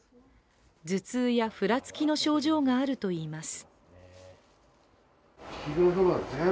頭痛やふらつきの症状があるといいます。